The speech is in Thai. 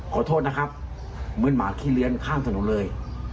ขอโทษนะครับเหมือนหมาขี้เลี้ยงข้ามถนนเลย